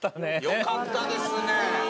よかったですね。